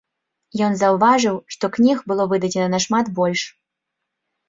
Ён заўважыў, што кніг было выдадзена нашмат больш.